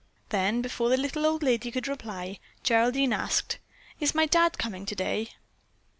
Then, before the little old lady could reply, Geraldine asked, "Is my Dad coming today?"